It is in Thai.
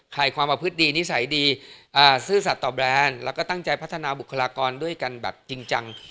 ความประพฤติดีนิสัยดีซื่อสัตว์ต่อแบรนด์แล้วก็ตั้งใจพัฒนาบุคลากรด้วยกันแบบจริงจัง